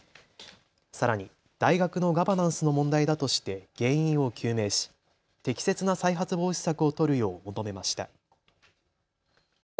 さらに大学のガバナンスの問題だとして原因を究明し、適切な再発防止策を取るよう求めました。